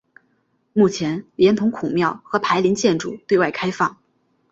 目前连同孔庙和碑林建筑对外开放。